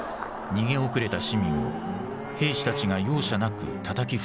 逃げ遅れた市民を兵士たちが容赦なくたたき伏せている。